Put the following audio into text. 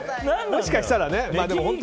もしかしたらね。